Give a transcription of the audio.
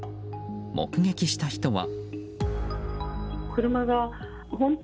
目撃した人は。